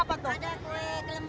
ada nasi kuning